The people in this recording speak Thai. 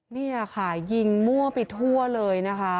นี่ค่ะยิงมั่วไปทั่วเลยนะคะ